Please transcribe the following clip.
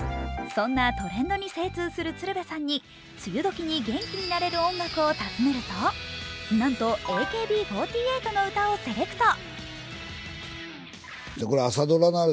そんなトレンドに精通する鶴瓶さんに梅雨時に元気になれる音楽を尋ねるとなんとＡＫＢ４８の歌をセレクト。